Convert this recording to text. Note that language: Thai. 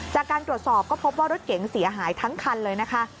จากการตรวจสอบก็พบว่ารถเก๋งเสียหายทั้งคันเลยนะคะ